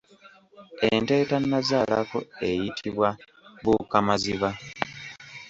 Ente etannazaalako eyitibwa bbuukamaziba.